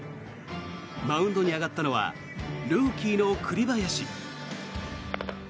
マウンドに上がったのはルーキーの栗林。